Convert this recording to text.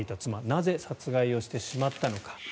なぜ、殺害をしてしまったのか。